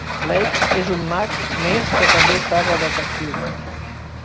Blake és un mag més que també fa de detectiu.